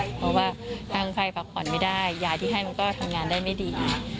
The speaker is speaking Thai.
เพราะว่าทางไฟพักผ่อนไม่ได้ยาที่ให้มันก็ทำงานได้ไม่ดี